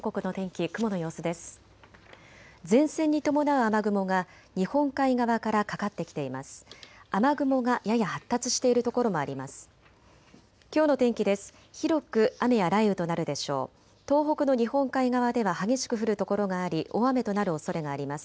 雨雲がやや発達している所もあります。